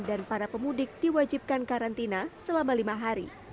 dan para pemudik diwajibkan karantina selama lima hari